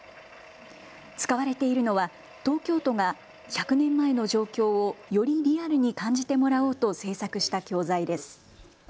使われているのは東京都が１００年前の状況をよりリアルに感じてもらおうと制作した教材です。